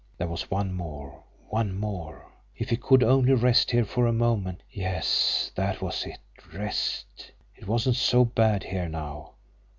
There was one more one more! If he could only rest here for a moment! Yes, that was it rest. It wasn't so bad here now.